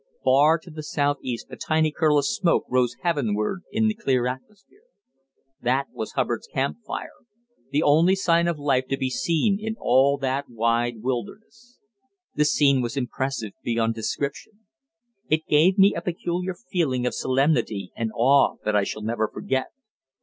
Far to the southeast a tiny curl of smoke rose heavenward in the clear atmosphere. That was Hubbard's campfire the only sign of life to be seen in all that wide wilderness. The scene was impressive beyond description. It gave me a peculiar feeling of solemnity and awe that I shall never forget.